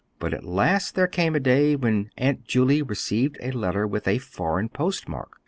But at last there came a day when Aunt Julie received a letter with a foreign postmark.